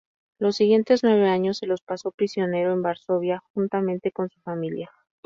Los siguientes nueve años se los pasó prisionero en Varsovia juntamente con su familia.